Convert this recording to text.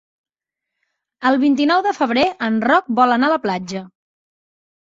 El vint-i-nou de febrer en Roc vol anar a la platja.